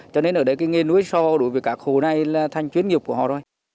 cho nên ở đấy cái nghề nuôi sò đối với các khổ này là thành chuyến nghiệp của họ rồi